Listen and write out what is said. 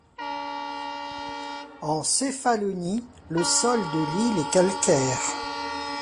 En Céphalonie, le sol de l'île est calcaire.